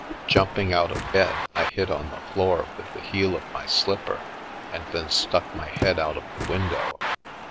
Jumping out of bed, I hit on the floor with the heel of my slipper and then stuck my head out of the window.